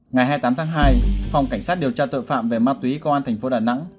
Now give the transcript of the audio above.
ngày hai mươi tám tháng hai phòng cảnh sát điều tra tội phạm về ma túy công an thành phố đà nẵng